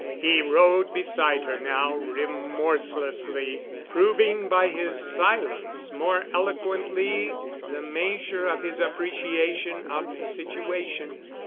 He rode beside her now remorselessly, proving by his silence more eloquently the measure of his appreciation of the situation.